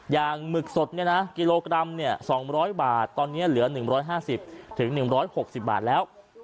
หมึกสดกิโลกรัม๒๐๐บาทตอนนี้เหลือ๑๕๐๑๖๐บาทแล้ว